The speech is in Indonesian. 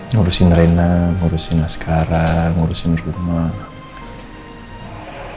ngurusin reina ngurusin askara ngurusin rumah